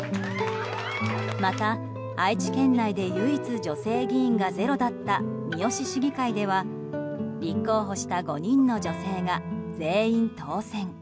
また、愛知県内で唯一女性議員がゼロだったみよし市議会では立候補した５人の女性が全員当選。